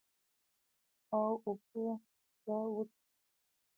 او اوبۀ به وڅښو ـ